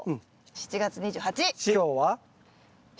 ７月２８！